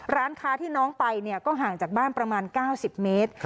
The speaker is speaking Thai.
ร้านค้าที่น้องไปก็ห่างจากบ้านประมาณ๙๐เมตร